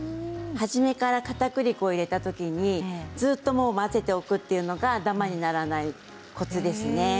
初めからかたくり粉を入れたときにずっと混ぜておくというのがダマにならないコツですね。